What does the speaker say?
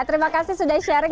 terima kasih sudah sharing